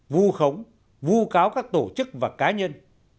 vu khống vu cáo các tổ chức và cá nhân